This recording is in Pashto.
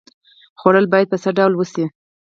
خوړل باید په څه ډول وشي؟